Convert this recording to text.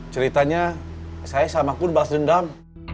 ceritanya saya sama kun bahas dendam